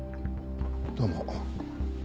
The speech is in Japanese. どうも。